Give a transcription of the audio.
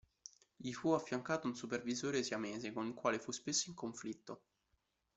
Gli fu affiancato un supervisore siamese, con il quale fu spesso in conflitto.